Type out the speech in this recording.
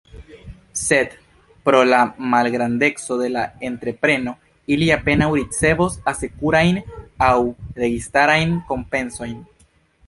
Sed pro la malgrandeco de la entrepreno, ili apenaŭ ricevos asekurajn aŭ registarajn kompensojn.